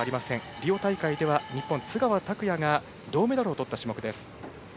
リオ大会では日本、津川拓也が銅メダルをとった種目です。